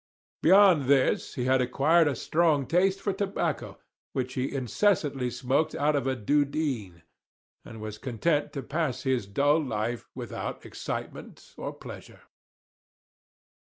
Beyond this, he had acquired a strong taste for tobacco, which he incessantly smoked out of a dhudheen; and was content to pass his dull life without excitement or pleasure.